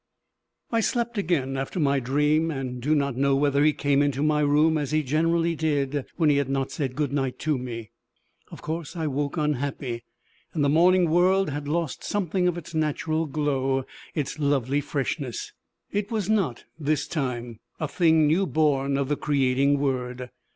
I slept again after my dream, and do not know whether he came into my room as he generally did when he had not said good night to me. Of course I woke unhappy, and the morning world had lost something of its natural glow, its lovely freshness: it was not this time a thing new born of the creating word.